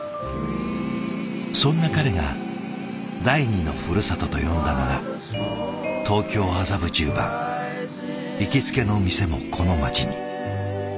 そんな彼が第二のふるさとと呼んだのが行きつけの店もこの街に。